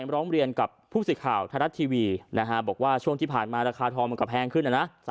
ร้องเรียนกับผู้สื่อข่าวไทยรัฐทีวีบอกว่าช่วงที่ผ่านมาราคาทองมันก็แพงขึ้นนะนะ